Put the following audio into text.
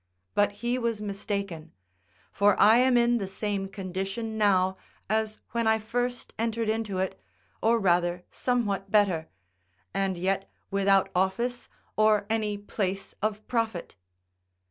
But he was mistaken; for I am in the same condition now as when I first entered into it, or rather somewhat better; and yet without office or any place of profit.